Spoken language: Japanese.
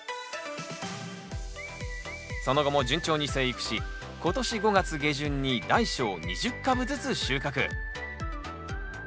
その後も順調に生育し今年５月下旬に大小２０株ずつ収穫。